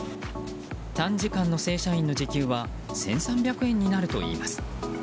短時間の正社員の時給は１３００円になるといいます。